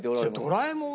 ドラえもん？